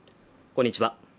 こんにちは